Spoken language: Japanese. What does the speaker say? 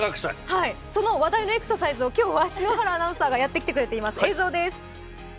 その話題のエクササイズを今日は篠原アナウンサーがやってきています。